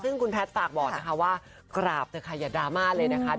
ซึ่งคุณแพทย์ฝากบอกนะคะว่ากราบเถอะค่ะอย่าดราม่าเลยนะคะ